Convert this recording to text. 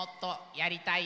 やりたい！